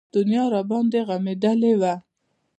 دنيا راباندې غمېدلې وه.